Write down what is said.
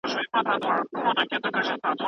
له بې وزلو سره د خوړو مرسته وکړئ.